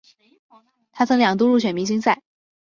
他曾两度入选明星赛。